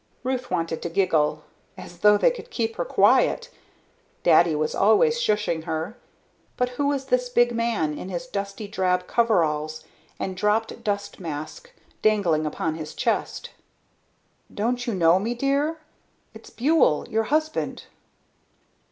Ruth wanted to giggle. As though they could keep her quiet. Daddy was always shushing her.... But who was this big man in his dusty drab coveralls and dropped dust mask dangling upon his chest? "Don't you know me, Dear? It's Buhl, your husband."